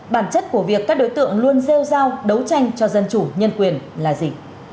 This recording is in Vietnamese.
bản chất của việc các đối tượng luôn rêu giao đấu tranh cho dân chủ nhân quyền là gì